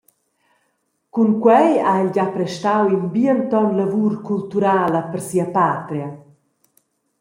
Cun quei ha el gia prestau in bien ton lavur culturala per sia patria.